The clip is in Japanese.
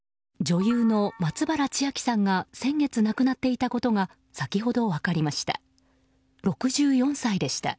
女優の松原千明さんが先月亡くなっていたことが先ほど分かりました。